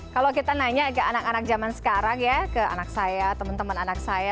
kalau kita nanya ke anak anak zaman sekarang ya ke anak saya teman teman anak saya